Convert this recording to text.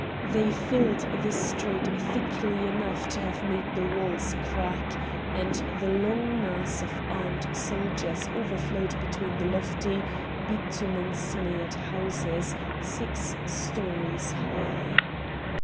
They filled the street thickly enough to have made the walls crack, and the long mass of armed soldiers overflowed between the lofty bitumen smeared houses six storys high.